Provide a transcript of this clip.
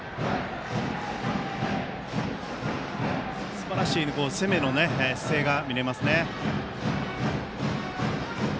すばらしい攻めの姿勢が見れますね。